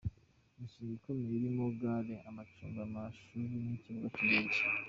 Imishinga ikomeye irimo Gare, amacumbi, amashuri n’ikibuga cy’indege.